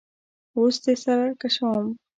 وس دي سره کشوم